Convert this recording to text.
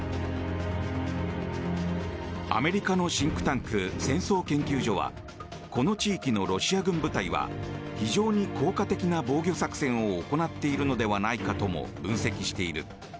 アメリカのシンクタンク戦争研究所はこの地域のロシア軍部隊は非常に効果的な防御作戦を行っているのではないかとも分析している。